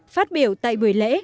phát biểu tại buổi lễ